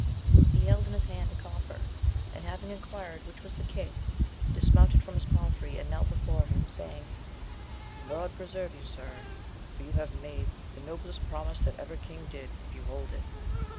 He held in his hand a coffer, and having enquired which was the king, dismounted from his palfrey and knelt befare him, saying, God preserve you, sir ! for you have made the noblest promise that ever king did, if you hold it.